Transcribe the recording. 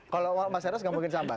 kalau mas eros gak mungkin sambat